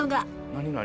何何？